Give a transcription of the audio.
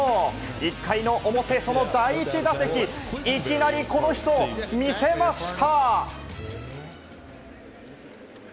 １回の表、その第１打席でいきなりこの人、見せました！